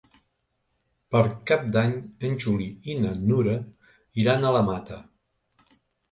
Per Cap d'Any en Juli i na Nura iran a la Mata.